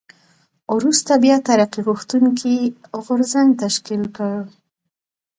وروسته بیا ترقي غوښتونکی غورځنګ تشکیل کړ.